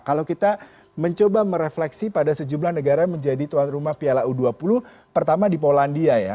kalau kita mencoba merefleksi pada sejumlah negara menjadi tuan rumah piala u dua puluh pertama di polandia ya